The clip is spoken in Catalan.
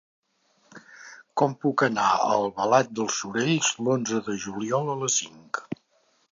Com puc anar a Albalat dels Sorells l'onze de juliol a les cinc?